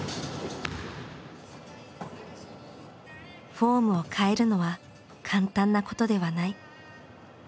フォームを変えるのは簡単なことではない。